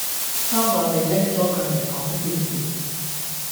當我地拎左佢黎講笑時